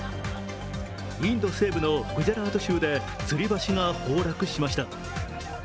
インド西部のグジャラート州でつり橋が崩落しました。